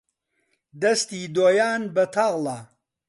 دەستی دۆیان بەتاڵە